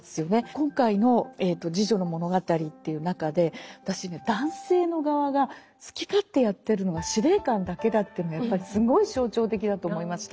今回の「侍女の物語」っていう中で私ね男性の側が好き勝手やってるのが司令官だけだっていうのがやっぱりすごい象徴的だと思いました。